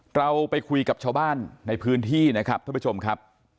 เราไปคุยกับชาวบ้านในพื้นที่นะครับท่านผู้ชมครับ